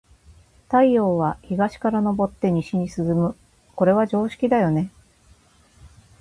太陽は、東から昇って西に沈む。これは常識だよね。